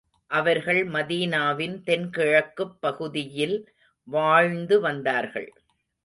அவர்கள் மதீனாவின் தென்கிழக்குப் பகுதியில் வாழ்ந்து வந்தார்கள்.